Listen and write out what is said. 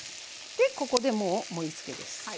でここでもう盛りつけです。